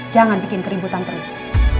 jangan bikin keributan terus